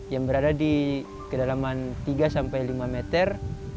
yang berada di kedalaman tiga sampai lima meter